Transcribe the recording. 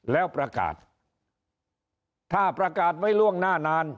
แล้วประกาศถ้าประกาศไว้ล่วงหน้านาน